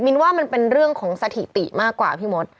ว่ามันเป็นเรื่องของสถิติมากกว่าพี่มด